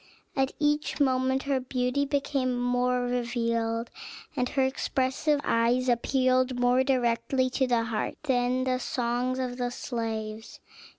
At each moment her beauty became more revealed, and her expressive eyes appealed more directly to the heart than the songs of the slaves.